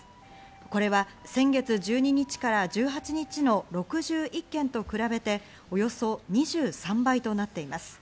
これは先月１２日から１８日の６１件と比べて、およそ２３倍となっています。